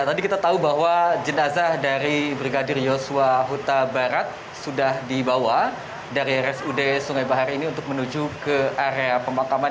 tadi kita tahu bahwa jenazah dari brigadir yosua huta barat sudah dibawa dari rsud sungai bahar ini untuk menuju ke area pemakaman